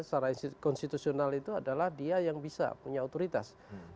secara institusional itu adalah dia yang bisa punya otoritas